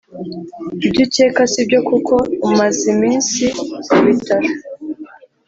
Ibyucyeka sibyo kuko maze iminsi mubitaro